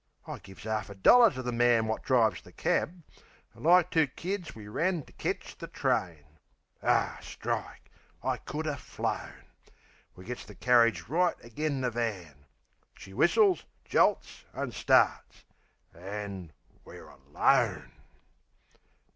I gives a 'arf a dollar to the man Wot drives the cab; an' like two kids we ran To ketch the train Ah, strike! I could 'a' flown! We gets the carridge right agen the van. She whistles, jolts, an' starts...An' we're alone!